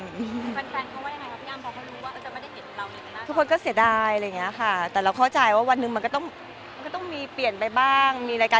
ไฟฟันท์แบบไงครับพี่อัาร์มพอเขารู้ว่าเขาจะไม่ได้เห็นอยู่กับเรา